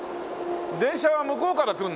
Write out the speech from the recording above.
電車は向こうから来るの？